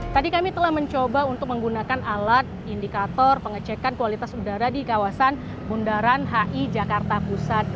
tadi kami telah mencoba untuk menggunakan alat indikator pengecekan kualitas udara di kawasan bundaran hi jakarta pusat